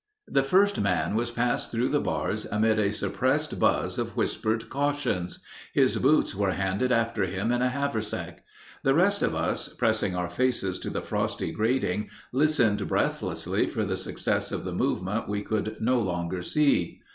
The first man was passed through the bars amid a suppressed buzz of whispered cautions. His boots were handed after him in a haversack. The rest of us, pressing our faces to the frosty grating, listened breathlessly for the success of the movement we could no longer see.